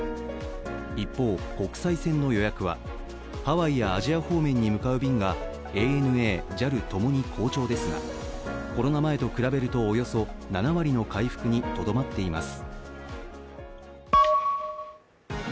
一方、国際線の予約はハワイやアジア方面に向かう便がＡＮＡ、ＪＡＬともに好調ですがコロナ前と比べるとおよそ７割の回復にとどまっています。